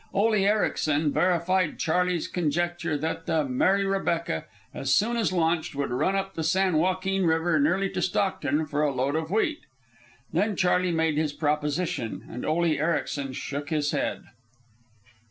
Ole Ericsen verified Charley's conjecture that the Mary Rebecca, as soon as launched, would run up the San Joaquin River nearly to Stockton for a load of wheat. Then Charley made his proposition, and Ole Ericsen shook his head.